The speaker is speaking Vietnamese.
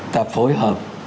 ta phối hợp